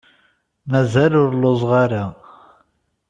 Mazal ur lluẓeɣ ara.